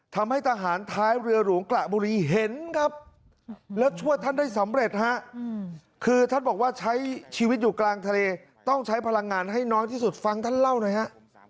ทำให้ทหารท้ายเรือหลวงกระบุรีเห็นครับแล้วช่วยท่านได้สำเร็จฮะคือท่านบอกว่าใช้ชีวิตอยู่กลางทะเลต้องใช้พลังงานให้น้อยที่สุดฟังท่านเล่าหน่อยฮะ